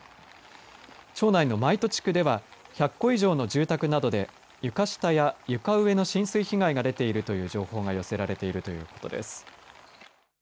町内の舞戸地区では１００戸以上の住宅などで床下や床上の浸水被害が出ているという情報が寄せられているということです。